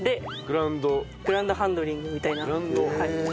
グランドハンドリングみたいな。